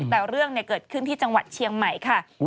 แต่เรื่องเกิดขึ้นที่จังหวัดเชียงใหม่ค่ะ